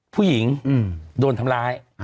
ผู้หญิงโดนทำร้าย